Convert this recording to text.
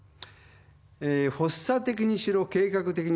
えー発作的にしろ計画的にしろ